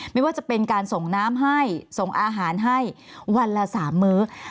ไม่ว่าจะเป็นการส่งน้ำให้ส่งอาหารให้วันละ๓มื้อ